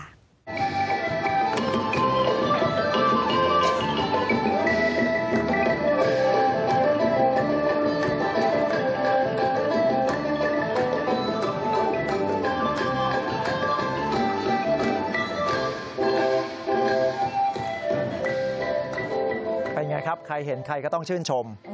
เป็นไงครับใครเห็นใครก็ต้องชื่นชม